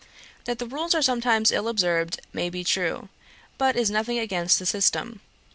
That the rules are sometimes ill observed, may be true; but is nothing against the system.